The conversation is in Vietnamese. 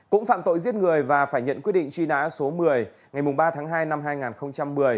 cũng phạm tội giết người và phải nhận quyết định truy nã số một mươi ngày ba tháng hai năm hai nghìn một mươi